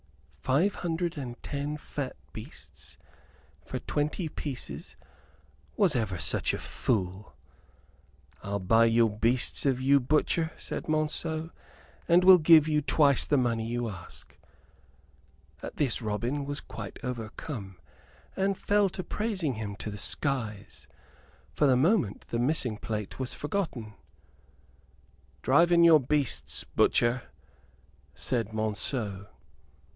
Five hundred and ten fat beasts for twenty pieces! Was ever such a fool? "I'll buy your beasts of you, butcher," said Monceux, "and will give you twice the money you ask." At this Robin was quite overcome, and fell to praising him to the skies. For the moment the missing plate was forgotten. "Drive in your beasts, butcher," said Monceux.